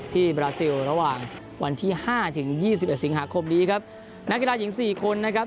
บราซิลระหว่างวันที่ห้าถึงยี่สิบเอ็ดสิงหาคมนี้ครับนักกีฬาหญิงสี่คนนะครับ